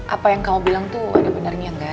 apa yang kamu bilang tuh ada benarnya enggak